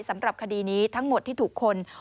สำหรับคดีนี้ทั้งหมดที่ถูกคน